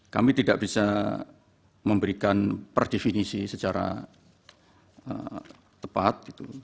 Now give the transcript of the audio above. kami tidak bisa memberikan perdefinisi secara tepat